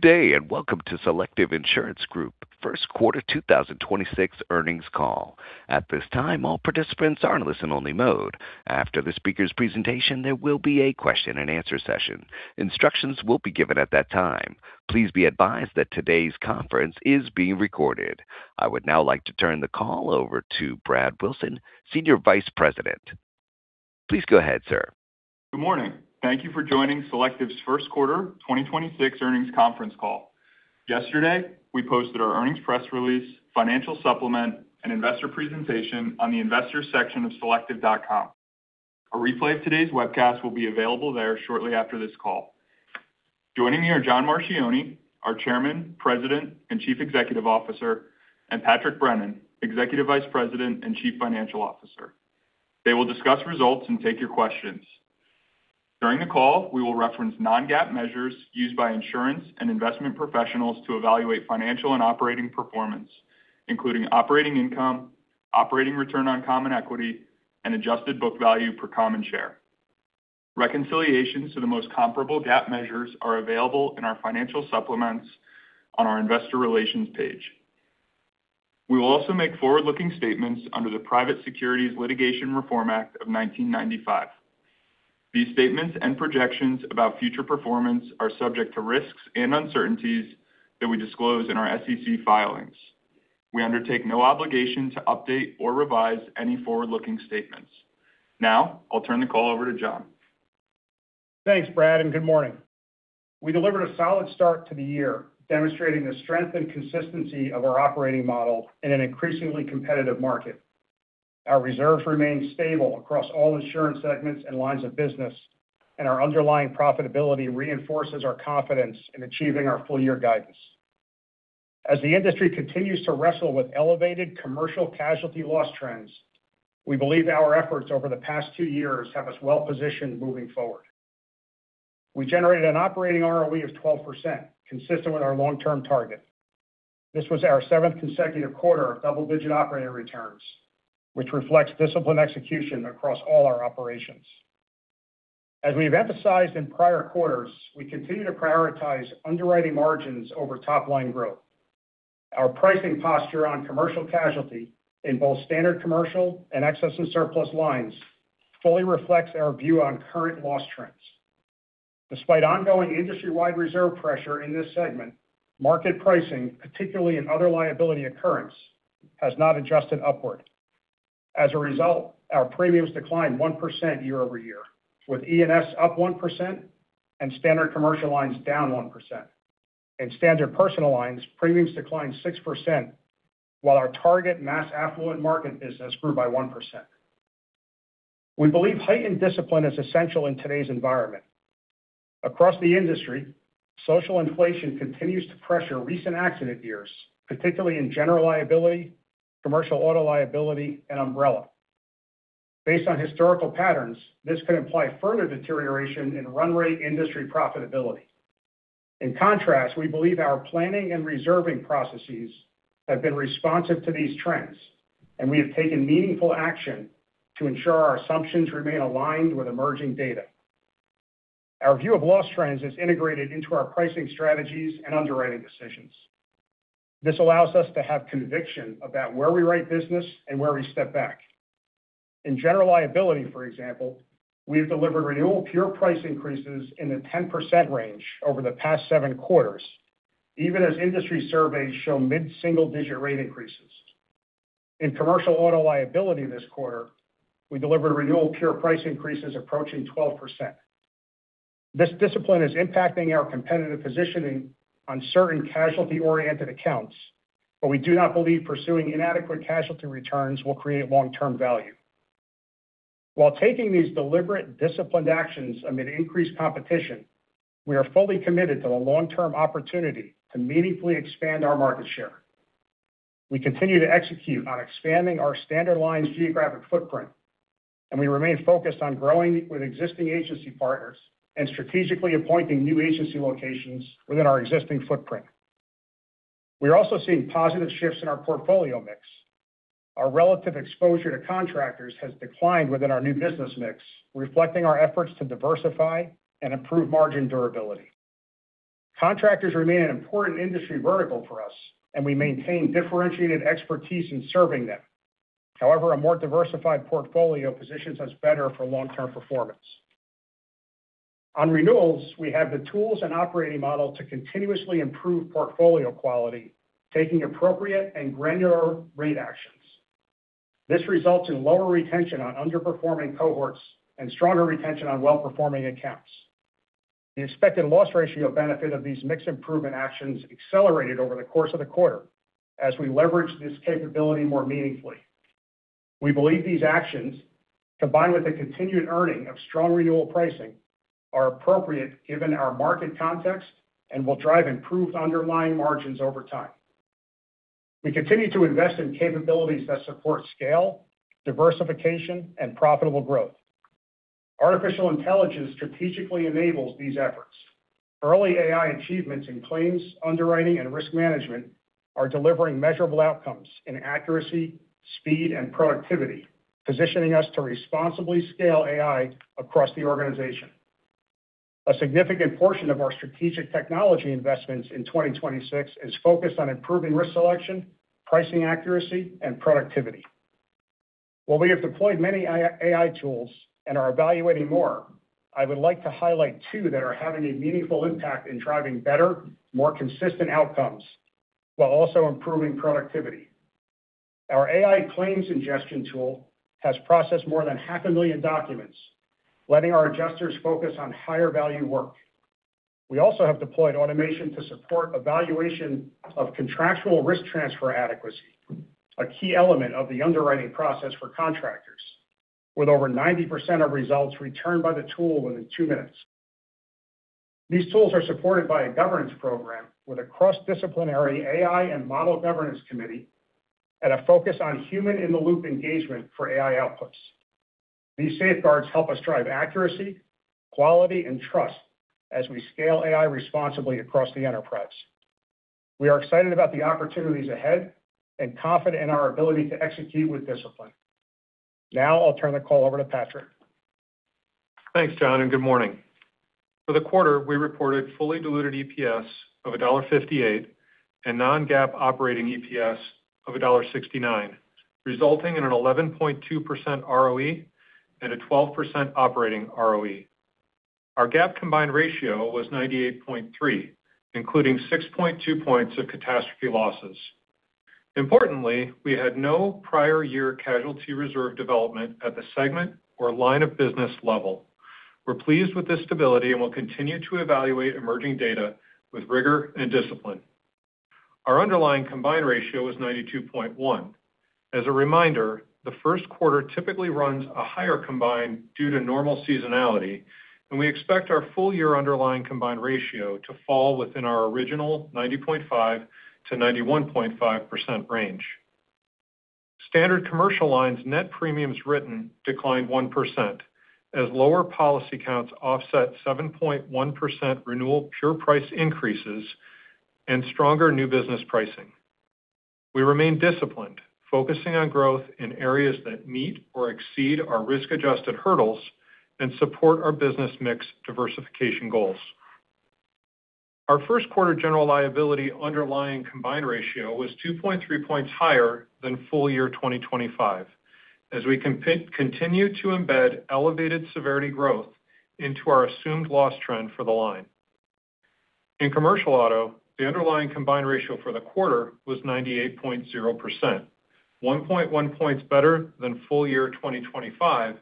Good day, and welcome to Selective Insurance Group First Quarter 2026 Earnings Call. At this time, all participants are in listen-only mode. After the speaker's presentation, there will be a question and answer session. Instructions will be given at that time. Please be advised that today's conference is being recorded. I would now like to turn the call over to Brad Wilson, Senior Vice President. Please go ahead, sir. Good morning. Thank you for joining Selective's first quarter 2026 earnings conference call. Yesterday, we posted our earnings press release, financial supplement, and investor presentation on the Investors section of selective.com. A replay of today's webcast will be available there shortly after this call. Joining me are John Marchioni, our Chairman, President, and Chief Executive Officer, and Patrick Brennan, Executive Vice President and Chief Financial Officer. They will discuss results and take your questions. During the call, we will reference non-GAAP measures used by insurance and investment professionals to evaluate financial and operating performance, including operating income, operating return on common equity, and adjusted book value per common share. Reconciliations to the most comparable GAAP measures are available in our financial supplements on our investor relations page. We will also make forward-looking statements under the Private Securities Litigation Reform Act of 1995. These statements and projections about future performance are subject to risks and uncertainties that we disclose in our SEC filings. We undertake no obligation to update or revise any forward-looking statements. Now, I'll turn the call over to John. Thanks, Brad, and good morning. We delivered a solid start to the year, demonstrating the strength and consistency of our operating model in an increasingly competitive market. Our reserves remain stable across all insurance segments and lines of business, and our underlying profitability reinforces our confidence in achieving our full-year guidance. As the industry continues to wrestle with elevated commercial casualty loss trends, we believe our efforts over the past two years have us well-positioned moving forward. We generated an Operating ROE of 12%, consistent with our long-term target. This was our seventh consecutive quarter of double-digit operating returns, which reflects disciplined execution across all our operations. As we've emphasized in prior quarters, we continue to prioritize underwriting margins over top-line growth. Our pricing posture on commercial casualty in both Standard Commercial Lines and Excess and Surplus Lines fully reflects our view on current loss trends. Despite ongoing industry-wide reserve pressure in this segment, market pricing, particularly in other liability occurrence, has not adjusted upward. As a result, our premiums declined 1% year-over-year, with E&S up 1% and Standard Commercial Lines down 1%. In Standard Personal Lines, premiums declined 6%, while our target mass affluent market business grew by 1%. We believe heightened discipline is essential in today's environment. Across the industry, social inflation continues to pressure recent accident years, particularly in General Liability, Commercial Auto liability, and umbrella. Based on historical patterns, this could imply further deterioration in run rate industry profitability. In contrast, we believe our planning and reserving processes have been responsive to these trends, and we have taken meaningful action to ensure our assumptions remain aligned with emerging data. Our view of loss trends is integrated into our pricing strategies and underwriting decisions. This allows us to have conviction about where we write business and where we step back. In General Liability, for example, we have delivered renewal pure price increases in the 10% range over the past seven quarters, even as industry surveys show mid-single-digit rate increases. In Commercial Auto liability this quarter, we delivered renewal pure price increases approaching 12%. This discipline is impacting our competitive positioning on certain casualty-oriented accounts, but we do not believe pursuing inadequate casualty returns will create long-term value. While taking these deliberate, disciplined actions amid increased competition, we are fully committed to the long-term opportunity to meaningfully expand our market share. We continue to execute on expanding our standard lines geographic footprint, and we remain focused on growing with existing agency partners and strategically appointing new agency locations within our existing footprint. We are also seeing positive shifts in our portfolio mix. Our relative exposure to contractors has declined within our new business mix, reflecting our efforts to diversify and improve margin durability. Contractors remain an important industry vertical for us, and we maintain differentiated expertise in serving them. However, a more diversified portfolio positions us better for long-term performance. On renewals, we have the tools and operating model to continuously improve portfolio quality, taking appropriate and granular rate actions. This results in lower retention on underperforming cohorts and stronger retention on well-performing accounts. The expected loss ratio benefit of these mix improvement actions accelerated over the course of the quarter as we leveraged this capability more meaningfully. We believe these actions, combined with the continued earning of strong renewal pricing, are appropriate given our market context and will drive improved underlying margins over time. We continue to invest in capabilities that support scale, diversification, and profitable growth. Artificial intelligence strategically enables these efforts. Early AI achievements in claims, underwriting, and risk management are delivering measurable outcomes in accuracy, speed, and productivity, positioning us to responsibly scale AI across the organization. A significant portion of our strategic technology investments in 2026 is focused on improving risk selection, pricing accuracy, and productivity. While we have deployed many AI tools and are evaluating more, I would like to highlight two that are having a meaningful impact in driving better, more consistent outcomes, while also improving productivity. Our AI claims ingestion tool has processed more than 500,000 documents, letting our adjusters focus on higher value work. We also have deployed automation to support evaluation of contractual risk transfer adequacy, a key element of the underwriting process for contractors. With over 90% of results returned by the tool within two minutes. These tools are supported by a governance program with a cross-disciplinary AI and model governance committee and a focus on human-in-the-loop engagement for AI outputs. These safeguards help us drive accuracy, quality, and trust as we scale AI responsibly across the enterprise. We are excited about the opportunities ahead and confident in our ability to execute with discipline. Now I'll turn the call over to Patrick. Thanks, John, and good morning. For the quarter, we reported fully diluted EPS of $1.58 and non-GAAP operating EPS of $1.69, resulting in an 11.2% ROE and a 12% operating ROE. Our GAAP combined ratio was 98.3, including 6.2 points of catastrophe losses. Importantly, we had no prior year casualty reserve development at the segment or line of business level. We're pleased with the stability and will continue to evaluate emerging data with rigor and discipline. Our underlying combined ratio was 92.1. As a reminder, the first quarter typically runs a higher combined due to normal seasonality, and we expect our full-year underlying combined ratio to fall within our original 90.5%-91.5% range. Standard Commercial Lines net premiums written declined 1% as lower policy counts offset 7.1% renewal pure price increases and stronger new business pricing. We remain disciplined, focusing on growth in areas that meet or exceed our risk-adjusted hurdles and support our business mix diversification goals. Our first quarter General Liability underlying combined ratio was 2.3 points higher than full year 2025, as we continue to embed elevated severity growth into our assumed loss trend for the line. In Commercial Auto, the underlying combined ratio for the quarter was 98.0%, 1.1 points better than full year 2025,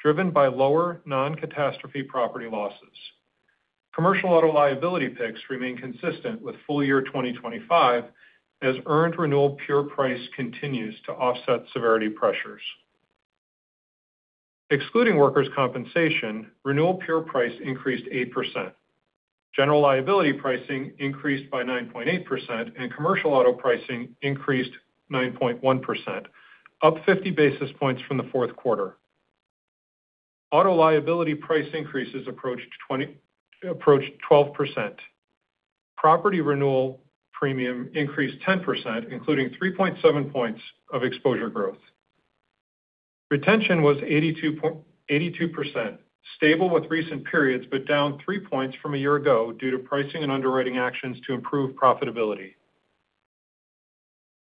driven by lower non-catastrophe property losses. Commercial Auto liability picks remain consistent with full year 2025 as earned renewal pure price continues to offset severity pressures. Excluding Workers' Compensation, renewal pure price increased 8%. General Liability pricing increased by 9.8%, and Commercial Auto pricing increased 9.1%, up 50 basis points from the fourth quarter. Auto liability price increases approached 12%. Property renewal premium increased 10%, including 3.7 points of exposure growth. Retention was 82%, stable with recent periods, but down 3 points from a year ago due to pricing and underwriting actions to improve profitability.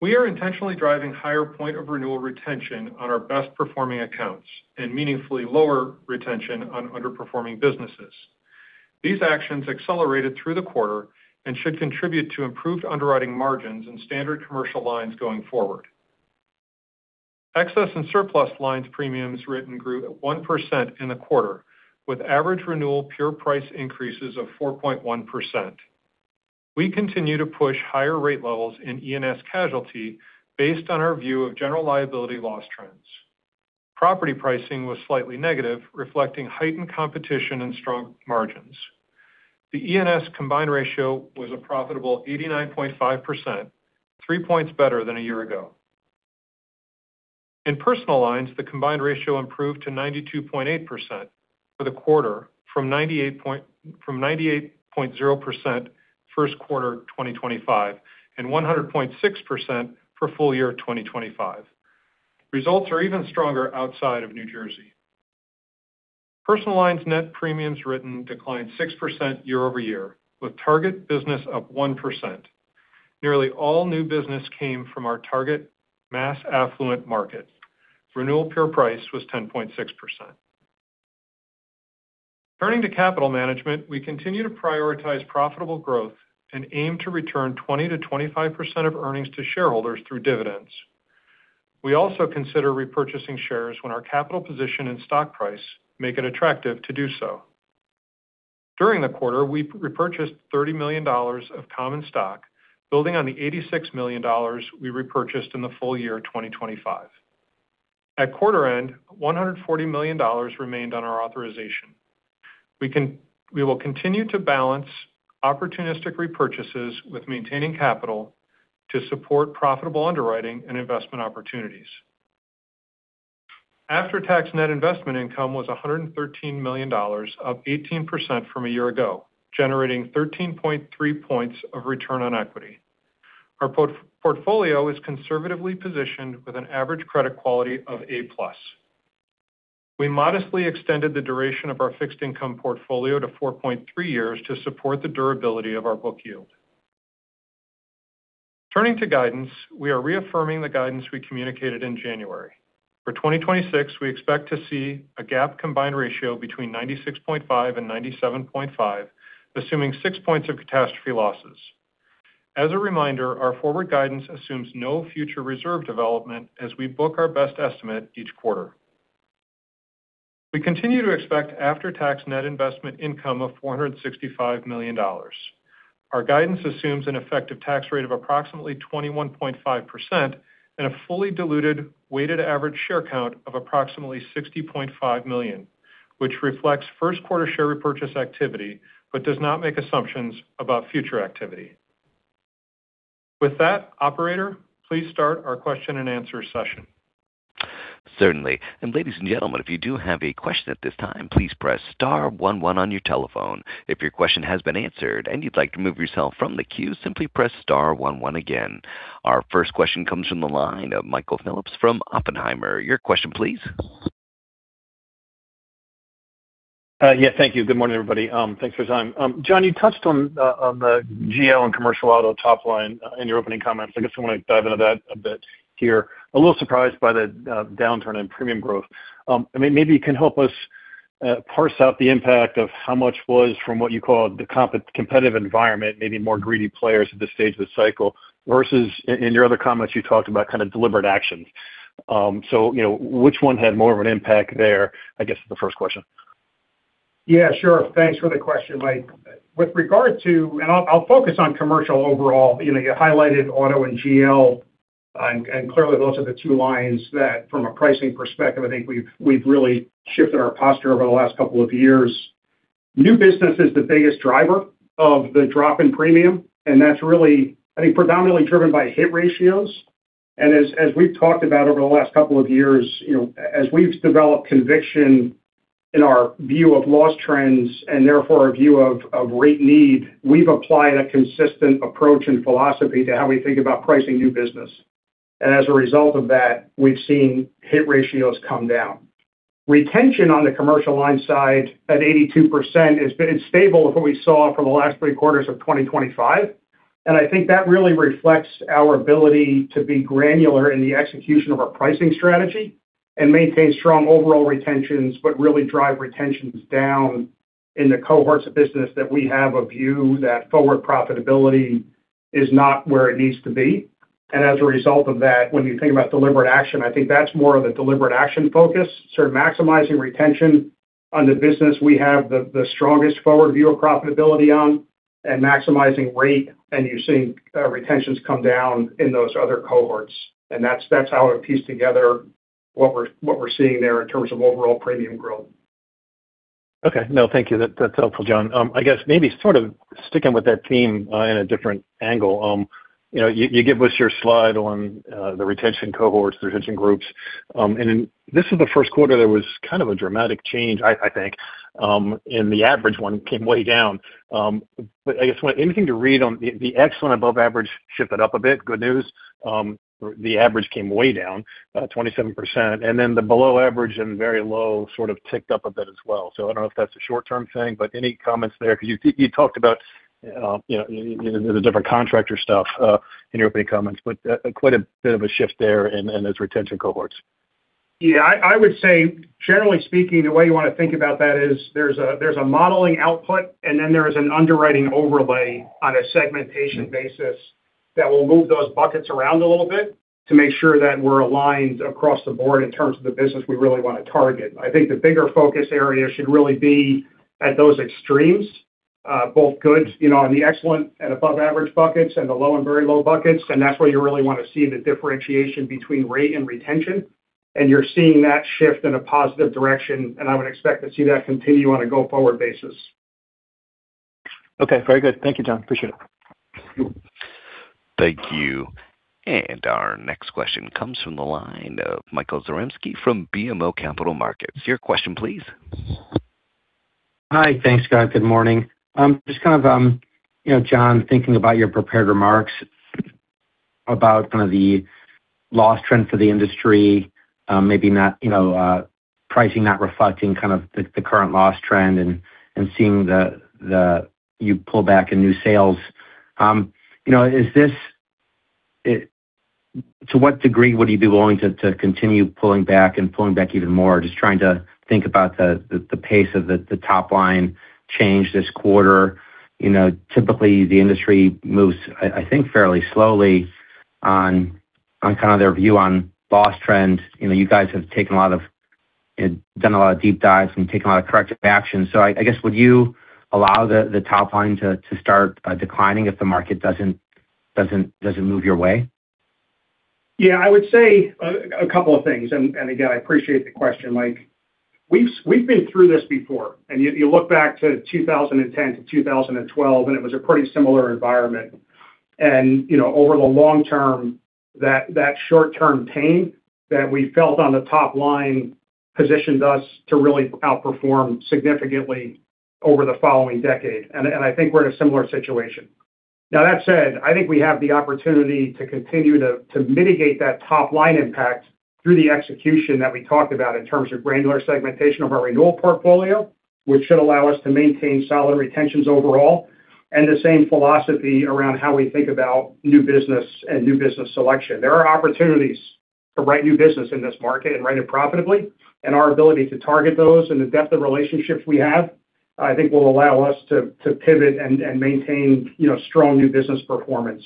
We are intentionally driving higher point of renewal retention on our best-performing accounts and meaningfully lower retention on underperforming businesses. These actions accelerated through the quarter and should contribute to improved underwriting margins in Standard Commercial Lines going forward. Excess and Surplus Lines premiums written grew at 1% in the quarter, with average renewal pure price increases of 4.1%. We continue to push higher rate levels in E&S casualty based on our view of General Liability loss trends. Property pricing was slightly negative, reflecting heightened competition and strong margins. The E&S combined ratio was a profitable 89.5%, 3 points better than a year ago. In Personal Lines, the combined ratio improved to 92.8% for the quarter from 98.0% first quarter 2025 and 100.6% for full year 2025. Results are even stronger outside of New Jersey. Personal Lines net premiums written declined 6% year-over-year, with target business up 1%. Nearly all new business came from our target mass affluent market. Renewal pure price was 10.6%. Turning to capital management, we continue to prioritize profitable growth and aim to return 20%-25% of earnings to shareholders through dividends. We also consider repurchasing shares when our capital position and stock price make it attractive to do so. During the quarter, we repurchased $30 million of common stock, building on the $86 million we repurchased in the full year 2025. At quarter end, $140 million remained on our authorization. We will continue to balance opportunistic repurchases with maintaining capital to support profitable underwriting and investment opportunities. After-tax net investment income was $113 million, up 18% from a year ago, generating 13.3 points of return on equity. Our portfolio is conservatively positioned with an average credit quality of A+. We modestly extended the duration of our fixed income portfolio to 4.3 years to support the durability of our book yield. Turning to guidance, we are reaffirming the guidance we communicated in January. For 2026, we expect to see a GAAP combined ratio between 96.5% and 97.5%, assuming six points of catastrophe losses. As a reminder, our forward guidance assumes no future reserve development as we book our best estimate each quarter. We continue to expect after-tax net investment income of $465 million. Our guidance assumes an effective tax rate of approximately 21.5% and a fully diluted weighted average share count of approximately 60.5 million, which reflects first quarter share repurchase activity but does not make assumptions about future activity. With that, operator, please start our question and answer session. Certainly. Ladies and gentlemen, if you do have a question at this time, please press star one one on your telephone. If your question has been answered and you'd like to remove yourself from the queue, simply press star one one again. Our first question comes from the line of Michael Phillips from Oppenheimer. Your question please. Yeah, thank you. Good morning, everybody. Thanks for time. John, you touched on the GL and commercial auto top line in your opening comments. I guess I want to dive into that a bit here. A little surprised by the downturn in premium growth. Maybe you can help us parse out the impact of how much was from what you call the competitive environment, maybe more greedy players at this stage of the cycle, versus in your other comments, you talked about deliberate actions. Which one had more of an impact there, I guess, is the first question. Yeah, sure. Thanks for the question, Mike. With regard to, and I'll focus on commercial overall. You highlighted auto and GL, and clearly those are the two lines that from a pricing perspective, I think we've really shifted our posture over the last couple of years. New business is the biggest driver of the drop in premium, and that's really, I think, predominantly driven by hit ratios. We've talked about over the last couple of years, as we've developed conviction in our view of loss trends and therefore our view of rate need, we've applied a consistent approach and philosophy to how we think about pricing new business. As a result of that, we've seen hit ratios come down. Retention on the commercial line side at 82% has been stable to what we saw for the last three quarters of 2025. I think that really reflects our ability to be granular in the execution of our pricing strategy and maintain strong overall retentions, but really drive retentions down in the cohorts of business that we have a view that forward profitability is not where it needs to be. As a result of that, when you think about deliberate action, I think that's more of a deliberate action focus, maximizing retention on the business we have the strongest forward view of profitability on and maximizing rate, and you're seeing retentions come down in those other cohorts. That's how I piece together what we're seeing there in terms of overall premium growth. Okay. No, thank you. That's helpful, John. I guess maybe sort of sticking with that theme in a different angle. You give us your slide on the retention cohorts, retention groups. In this is the first quarter, there was kind of a dramatic change, I think. The average one came way down. I guess anything to read on the excellent above average shifted up a bit. Good news. The average came way down, 27%, and then the below average and very low sort of ticked up a bit as well. I don't know if that's a short-term thing, but any comments there? Because you talked about the different contractor stuff in your opening comments, but quite a bit of a shift there in those retention cohorts. Yeah, I would say generally speaking, the way you want to think about that is there's a modeling output, and then there is an underwriting overlay on a segmentation basis that will move those buckets around a little bit to make sure that we're aligned across the board in terms of the business we really want to target. I think the bigger focus area should really be at those extremes, both ends of the excellent and above average buckets and the low and very low buckets. That's where you really want to see the differentiation between rate and retention, and you're seeing that shift in a positive direction, and I would expect to see that continue on a go-forward basis. Okay, very good. Thank you, John. Appreciate it. Sure. Thank you. Our next question comes from the line of Michael Zaremski from BMO Capital Markets. Your question, please. Hi. Thanks, Scott. Good morning. Just, John, thinking about your prepared remarks about the loss trend for the industry, maybe pricing not reflecting the current loss trend and seeing you pull back in new sales. To what degree would you be willing to continue pulling back and pulling back even more? Just trying to think about the pace of the top line change this quarter. Typically, the industry moves, I think, fairly slowly on their view on loss trends. You guys have done a lot of deep dives and taken a lot of corrective action. I guess, would you allow the top line to start declining if the market doesn't move your way? Yeah, I would say a couple of things. Again, I appreciate the question, Mike. We've been through this before, and you look back to 2010-2012, and it was a pretty similar environment. Over the long term, that short-term pain that we felt on the top line positioned us to really outperform significantly over the following decade. I think we're in a similar situation. Now, that said, I think we have the opportunity to continue to mitigate that top-line impact through the execution that we talked about in terms of granular segmentation of our renewal portfolio, which should allow us to maintain solid retentions overall, and the same philosophy around how we think about new business and new business selection. There are opportunities to write new business in this market and write it profitably. Our ability to target those and the depth of relationships we have, I think will allow us to pivot and maintain strong new business performance.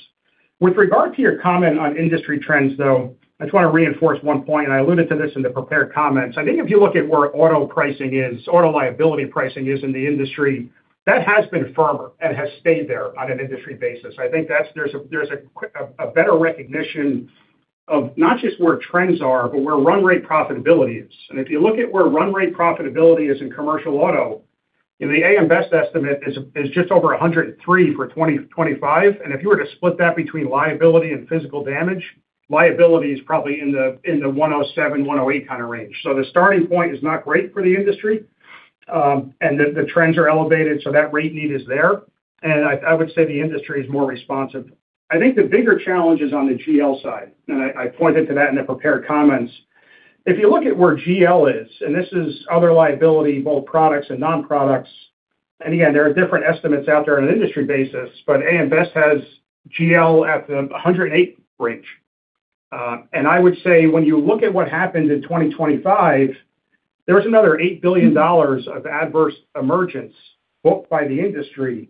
With regard to your comment on industry trends, though, I just want to reinforce one point, and I alluded to this in the prepared comments. I think if you look at where auto pricing is, auto liability pricing is in the industry, that has been firmer and has stayed there on an industry basis. I think there's a better recognition of not just where trends are, but where run rate profitability is. If you look at where run rate profitability is in Commercial Auto, the AM Best estimate is just over 103% for 2025. If you were to split that between liability and physical damage, liability is probably in the 107%-108% kind of range. The starting point is not great for the industry, and the trends are elevated, so that rate need is there. I would say the industry is more responsive. I think the bigger challenge is on the GL side, and I pointed to that in the prepared comments. If you look at where GL is, and this is other liability, both products and non-products, and again, there are different estimates out there on an industry basis, but AM Best has GL at the 108 range. I would say when you look at what happened in 2025, there was another $8 billion of adverse emergence booked by the industry.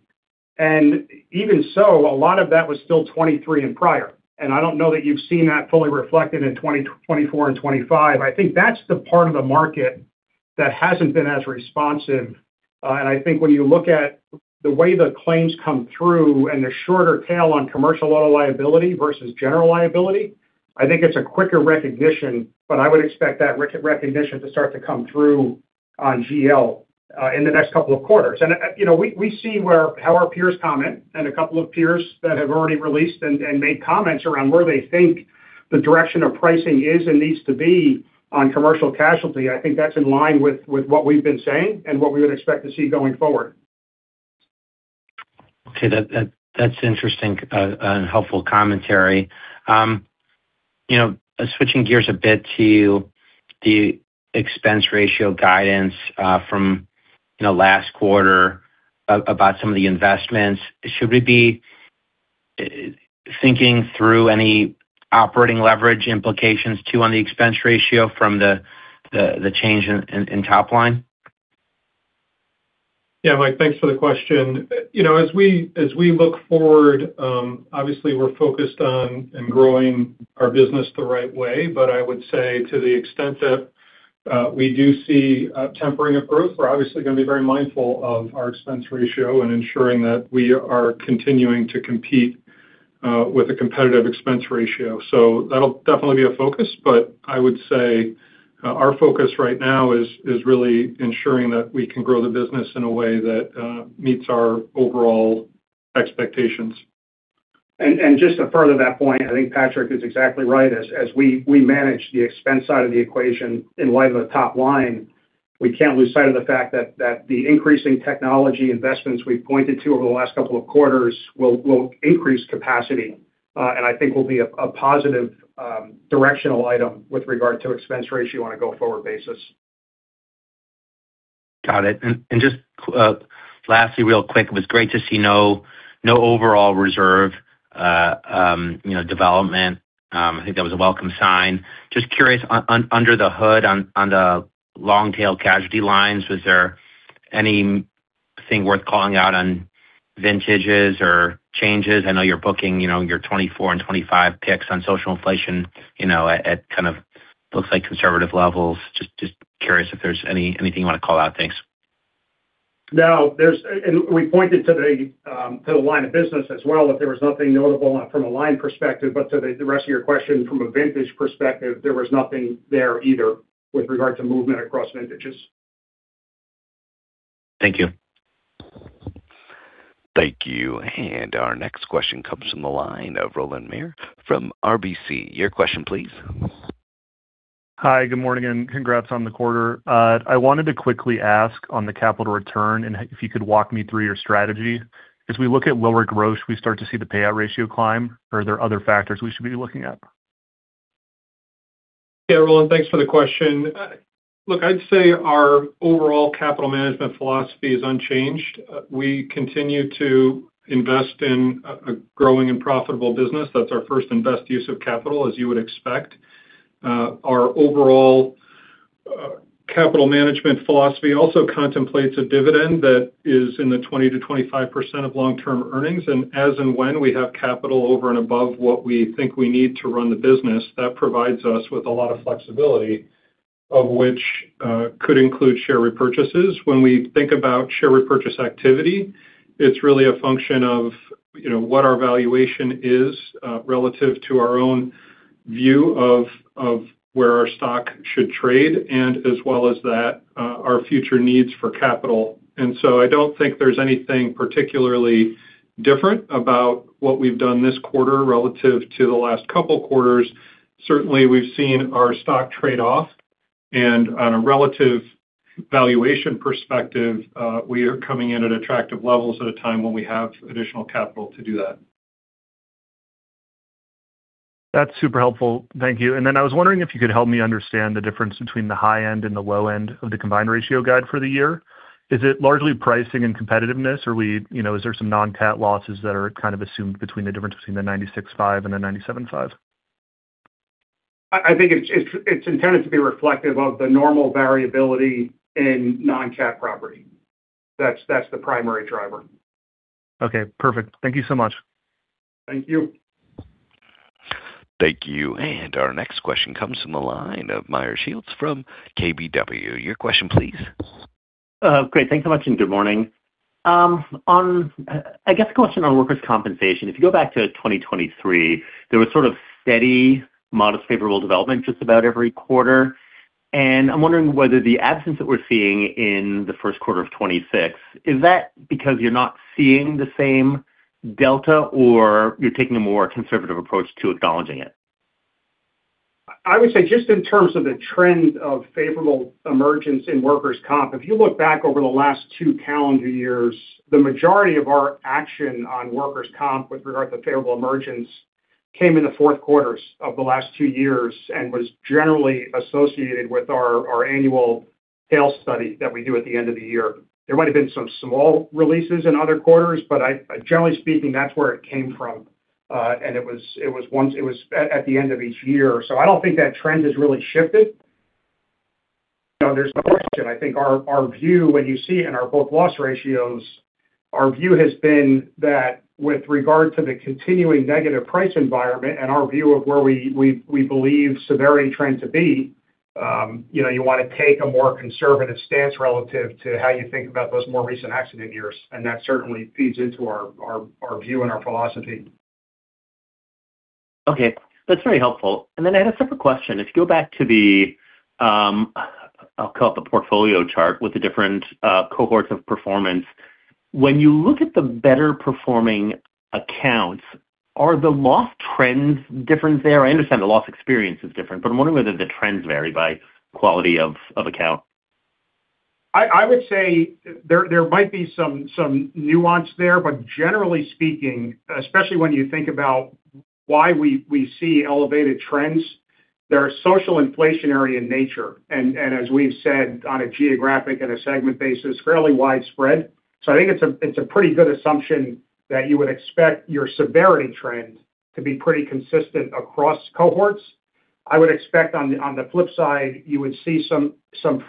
Even so, a lot of that was still 2023 and prior. I don't know that you've seen that fully reflected in 2024 and 2025. I think that's the part of the market that hasn't been as responsive. I think when you look at the way the claims come through and the shorter tail on Commercial Auto Liability versus General Liability, I think it's a quicker recognition, but I would expect that recognition to start to come through on GL in the next couple of quarters. We see how our peers comment and a couple of peers that have already released and made comments around where they think the direction of pricing is and needs to be on commercial casualty. I think that's in line with what we've been saying and what we would expect to see going forward. Okay. That's interesting and helpful commentary. Switching gears a bit to the expense ratio guidance from last quarter about some of the investments. Should we be thinking through any operating leverage implications too on the expense ratio from the change in top line? Yeah. Mike, thanks for the question. As we look forward, obviously we're focused on growing our business the right way. I would say to the extent that we do see a tempering of growth, we're obviously going to be very mindful of our expense ratio and ensuring that we are continuing to compete with a competitive expense ratio. That'll definitely be a focus. I would say our focus right now is really ensuring that we can grow the business in a way that meets our overall expectations. Just to further that point, I think Patrick is exactly right. As we manage the expense side of the equation in light of the top line, we can't lose sight of the fact that the increasing technology investments we've pointed to over the last couple of quarters will increase capacity, and I think will be a positive directional item with regard to expense ratio on a go-forward basis. Got it. Just lastly, real quick, it was great to see no overall reserve development. I think that was a welcome sign. Just curious, under the hood on the long-tail casualty lines, was there anything worth calling out on vintages or changes? I know you're booking your 2024 and 2025 picks on social inflation at kind of, looks like conservative levels. Just curious if there's anything you want to call out. Thanks. No. We pointed to the line of business as well, that there was nothing notable from a line perspective. To the rest of your question, from a vintage perspective, there was nothing there either with regard to movement across vintages. Thank you. Thank you. Our next question comes from the line of Rowland Mayor from RBC. Your question, please. Hi, good morning, and congrats on the quarter. I wanted to quickly ask on the capital return, and if you could walk me through your strategy. As we look at lower growth, we start to see the payout ratio climb, or are there other factors we should be looking at? Yeah, Rowland, thanks for the question. Look, I'd say our overall capital management philosophy is unchanged. We continue to invest in a growing and profitable business. That's our first and best use of capital, as you would expect. Our overall capital management philosophy also contemplates a dividend that is in the 20%-25% of long-term earnings. As and when we have capital over and above what we think we need to run the business, that provides us with a lot of flexibility, of which could include share repurchases. When we think about share repurchase activity, it's really a function of what our valuation is relative to our own view of where our stock should trade and as well as that our future needs for capital. I don't think there's anything particularly different about what we've done this quarter relative to the last couple of quarters. Certainly, we've seen our stock trade off, and on a relative valuation perspective, we are coming in at attractive levels at a time when we have additional capital to do that. That's super helpful. Thank you. I was wondering if you could help me understand the difference between the high end and the low end of the combined ratio guide for the year. Is it largely pricing and competitiveness, or is there some non-CAT losses that are kind of assumed between the difference between the 96.5% and the 97.5%? I think it's intended to be reflective of the normal variability in non-CAT property. That's the primary driver. Okay, perfect. Thank you so much. Thank you. Thank you. Our next question comes from the line of Meyer Shields from KBW. Your question, please. Great. Thanks so much, and good morning. I guess a question on Workers' Compensation. If you go back to 2023, there was sort of steady, modest, favorable development just about every quarter. I'm wondering whether the absence that we're seeing in the first quarter of 2026, is that because you're not seeing the same delta or you're taking a more conservative approach to acknowledging it? I would say, just in terms of the trend of favorable emergence in workers' comp, if you look back over the last two calendar years, the majority of our action on workers' comp with regard to favorable emergence came in the fourth quarters of the last two years and was generally associated with our annual tail study that we do at the end of the year. There might have been some small releases in other quarters, but generally speaking, that's where it came from. It was at the end of each year. I don't think that trend has really shifted. There's no question. I think our view, when you see in our book loss ratios, our view has been that with regard to the continuing negative price environment and our view of where we believe severity trend to be, you want to take a more conservative stance relative to how you think about those more recent accident years, and that certainly feeds into our view and our philosophy. Okay. That's very helpful. I had a separate question. If you go back to the, I'll call it the portfolio chart with the different cohorts of performance. When you look at the better performing accounts, are the loss trends different there? I understand the loss experience is different, but I'm wondering whether the trends vary by quality of account. I would say there might be some nuance there, but generally speaking, especially when you think about why we see elevated trends, they're social inflationary in nature, and as we've said, on a geographic and a segment basis, fairly widespread. I think it's a pretty good assumption that you would expect your severity trend to be pretty consistent across cohorts. I would expect on the flip side, you would see some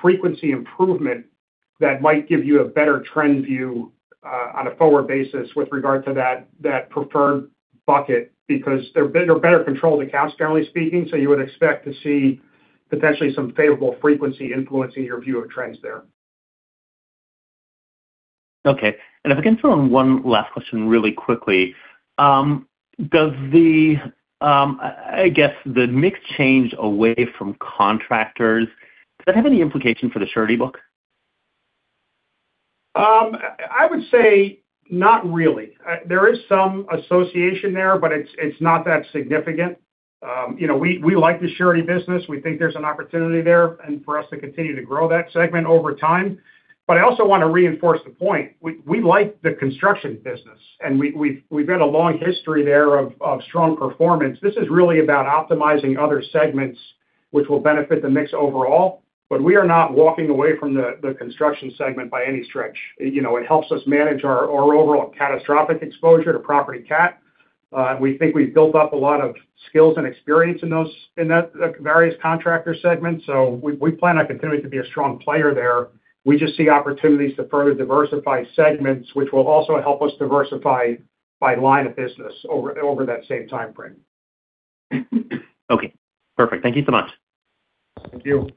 frequency improvement that might give you a better trend view on a forward basis with regard to that preferred bucket because they're better controlled accounts, generally speaking, so you would expect to see potentially some favorable frequency influencing your view of trends there. Okay. If I can throw in one last question really quickly. I guess, the mix change away from contractors, does that have any implication for the surety book? I would say not really. There is some association there, but it's not that significant. We like the surety business. We think there's an opportunity there and for us to continue to grow that segment over time. I also want to reinforce the point. We like the construction business, and we've had a long history there of strong performance. This is really about optimizing other segments which will benefit the mix overall. We are not walking away from the construction segment by any stretch. It helps us manage our overall catastrophic exposure to property cat. We think we've built up a lot of skills and experience in the various contractor segments. We plan on continuing to be a strong player there. We just see opportunities to further diversify segments, which will also help us diversify by line of business over that same time frame. Okay, perfect. Thank you so much. Thank you.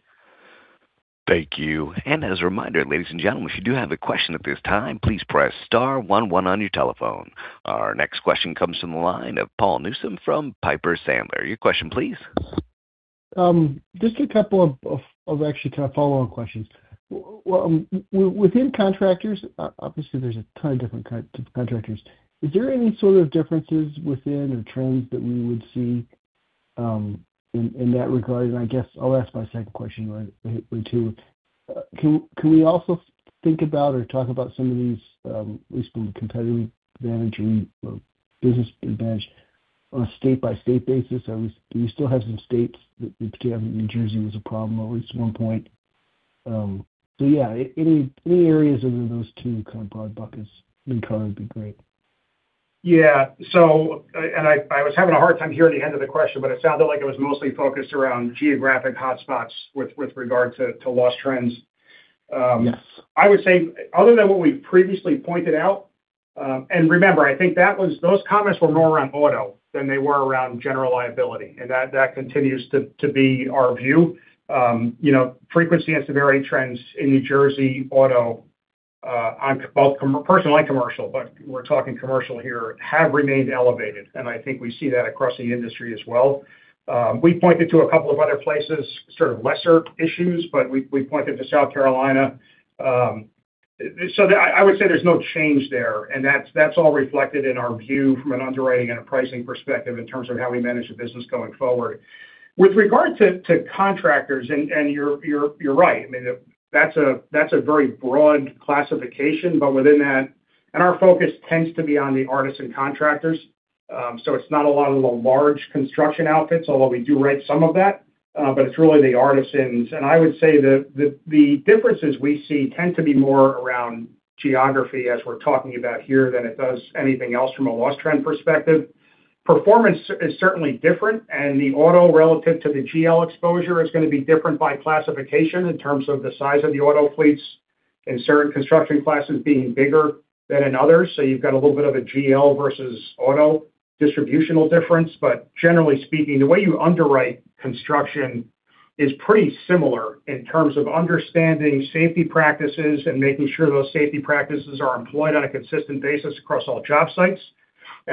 Thank you. As a reminder, ladies and gentlemen, if you do have a question at this time, please press star one one on your telephone. Our next question comes from the line of Paul Newsome from Piper Sandler. Your question, please. Just a couple of actually kind of follow-on questions. Within contractors, obviously there's a ton of different contractors. Is there any sort of differences within or trends that we would see in that regard? I guess I'll ask my second question right away, too. Can we also think about or talk about some of these, at least from a competitive advantage or business advantage on a state-by-state basis? Do we still have some states that we particularly New Jersey was a problem at least at one point? Yeah, any areas under those two kind of broad buckets would be great. Yeah. I was having a hard time hearing the end of the question, but it sounded like it was mostly focused around geographic hotspots with regard to loss trends. Yes. I would say other than what we've previously pointed out, and remember, I think those comments were more around auto than they were around General Liability, and that continues to be our view. Frequency and severity trends in New Jersey auto. On both personal and commercial, but we're talking commercial here, have remained elevated, and I think we see that across the industry as well. We pointed to a couple of other places, sort of lesser issues, but we pointed to South Carolina. I would say there's no change there, and that's all reflected in our view from an underwriting and a pricing perspective in terms of how we manage the business going forward. With regard to contractors, and you're right. I mean, that's a very broad classification, but within that our focus tends to be on the artisan contractors. It's not a lot of the large construction outfits, although we do write some of that. It's really the artisans. I would say the differences we see tend to be more around geography as we're talking about here than it does anything else from a loss trend perspective. Performance is certainly different, and the auto relative to the GL exposure is going to be different by classification in terms of the size of the auto fleets, construction classes being bigger than in others. You've got a little bit of a GL versus auto distributional difference. Generally speaking, the way you underwrite construction is pretty similar in terms of understanding safety practices and making sure those safety practices are employed on a consistent basis across all job sites.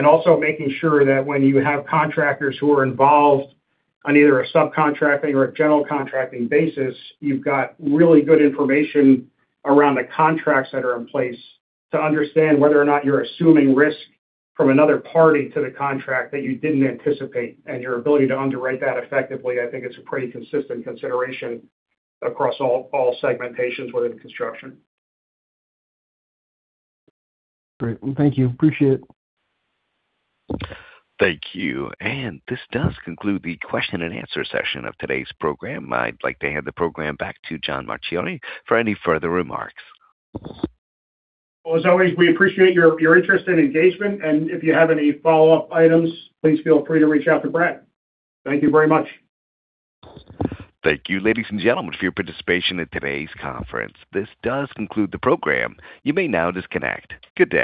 Also making sure that when you have contractors who are involved on either a subcontracting or a general contracting basis, you've got really good information around the contracts that are in place to understand whether or not you're assuming risk from another party to the contract that you didn't anticipate. Your ability to underwrite that effectively, I think it's a pretty consistent consideration across all segmentations within construction. Great. Well, thank you. Appreciate it. Thank you. This does conclude the question and answer session of today's program. I'd like to hand the program back to John Marchioni for any further remarks. Well, as always, we appreciate your interest and engagement, and if you have any follow-up items, please feel free to reach out to Brad. Thank you very much. Thank you, ladies and gentlemen, for your participation in today's conference. This does conclude the program. You may now disconnect. Good day.